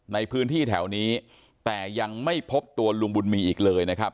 ในพื้นที่แถวนี้แต่ยังไม่พบตัวลุงบุญมีอีกเลยนะครับ